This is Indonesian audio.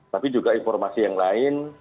tapi juga informasi yang lain